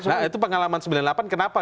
itu pengalaman sembilan puluh delapan kenapa